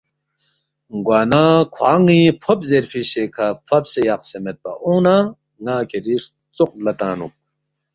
گوانہ کھوان٘ی فوب زیرفی سےکھہ فبسے یقسے میدپا اونگ نہ ن٘ا کِھری ستروق لا تنگنُوک